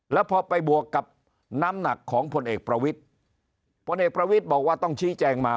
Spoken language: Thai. แล้วพอไปบวกกับน้ำหนักของพลเอกประวิทธิ์พลเอกประวิทย์บอกว่าต้องชี้แจงมา